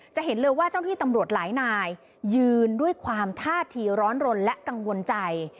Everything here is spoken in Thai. จะเห็นเลยว่าเจ้าที่ตำรวจหลายนายยืนด้วยความท่าทีร้อนรนและกังวลใจ